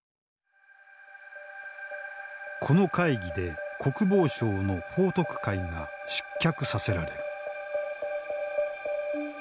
この会議で国防相の彭徳懐が失脚させられる。